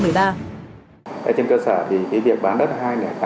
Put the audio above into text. ở trên cơ sở thì cái việc bán đất hai nghìn tám hai nghìn chín